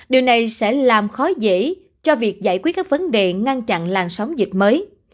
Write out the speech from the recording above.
điều này sẽ làm khó dễ cho việc giải quyết các vấn đề ngăn chặn làn sóng dịch mới